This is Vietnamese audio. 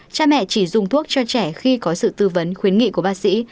cha mẹ chỉ dùng thuốc cho trẻ khi có sự tư vấn khuyến nghị của bác sĩ